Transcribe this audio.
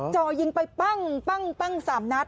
จ่อยิงไปปั้ง๓นัด